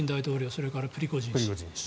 それからプリゴジン氏。